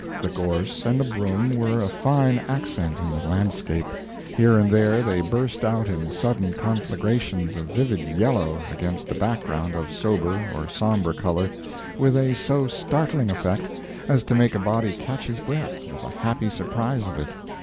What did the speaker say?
The gorse and the broom were a fine accent in the landscape. Here and there they burst out in sudden conflagrations of vivid yellow against a background of sober or sombre color, with a so startling effect as to make a body catch his breath with the happy surprise of it.